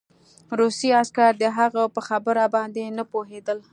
روسي عسکر د هغه په خبره باندې نه پوهېدل